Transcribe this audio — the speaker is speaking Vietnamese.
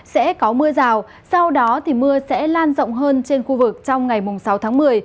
sẽ có mưa rào sau đó mưa sẽ lan rộng hơn trên khu vực trong ngày sáu tháng một mươi